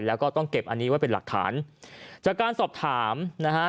แล้วก็ต้องเก็บอันนี้ไว้เป็นหลักฐานจากการสอบถามนะฮะ